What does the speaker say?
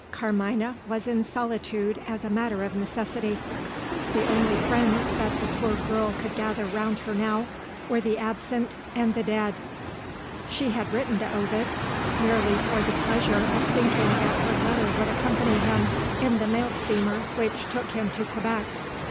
Carmina was in solitude as a matter of necessity. The only friends that the poor girl could gather round her now, were the absent and the dead. She had written to Ovid merely for the pleasure of thinking that her letter would accompany him, in the mail steamer which took him to Quebec.